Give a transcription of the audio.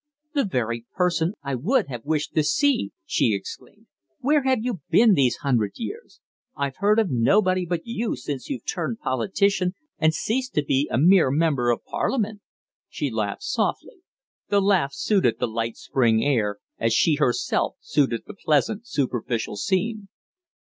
"The very person I would have wished to see!" she exclaimed. "Where have you been these hundred years? I've heard of nobody but you since you've turned politician and ceased to be a mere member of Parliament!" She laughed softly. The laugh suited the light spring air, as she herself suited the pleasant, superficial scene.